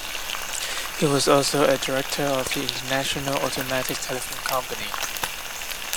He was also a director of the International Automatic Telephone Company.